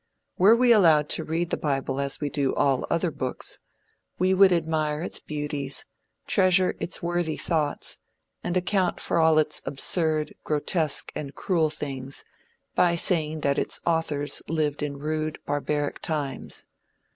Were we allowed to read the bible as we do all other books, we would admire its beauties, treasure its worthy thoughts, and account for all its absurd, grotesque and cruel things, by saying that its authors lived in rude, barbaric times.